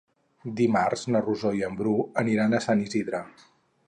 Dimarts na Rosó i en Bru aniran a Sant Isidre.